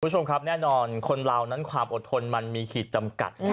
คุณผู้ชมครับแน่นอนคนเรานั้นความอดทนมันมีขีดจำกัด